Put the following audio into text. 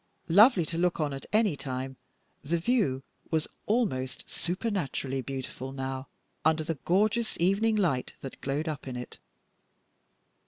Lovely to look on at any time, the view was almost supernaturally beautiful now under the gorgeous evening light that glowed up in it.